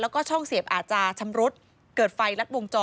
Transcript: แล้วก็ช่องเสียบอาจจะชำรุดเกิดไฟลัดวงจร